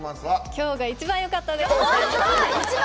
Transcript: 今日が一番よかったです！